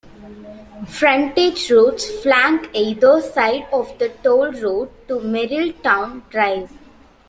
Frontage roads flank either side of the toll road to Merrilltown Drive.